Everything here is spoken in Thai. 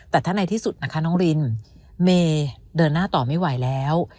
แต่ถ้าในที่สุดนะคะน้องรินเมย์เดินหน้าต่อไม่ไหวแล้ว